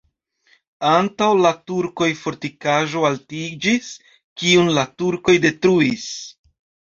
Antaŭ la turkoj fortikaĵo altiĝis, kiun la turkoj detruis.